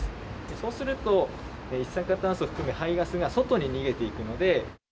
そうすると、一酸化炭素含め、排ガスが外に逃げていくので。